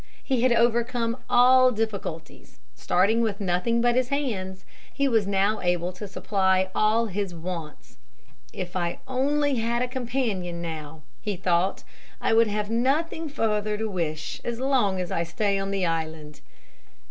He had overcome all difficulties. Starting with nothing but his hands, he was now able to supply all his wants. "If I only had a companion now," he thought, "I would have nothing further to wish as long as I stay on the island."